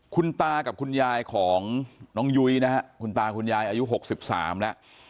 คุณตากับคุณยายของน้องยุ้ยนะฮะคุณตาคุณยายอายุ๖๓แล้ว